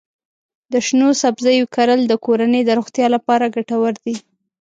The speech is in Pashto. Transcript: د شنو سبزیو کرل د کورنۍ د روغتیا لپاره ګټور دي.